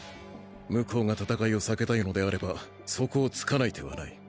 向こうが戦いを避けたいのであればそこを突かない手はない。